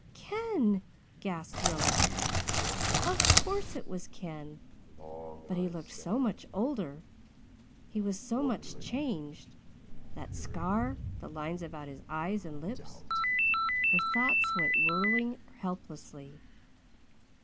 "Ken," gasped Rilla. Of course, it was Ken but he looked so much older he was so much changed that scar the lines about his eyes and lips her thoughts went whirling helplessly.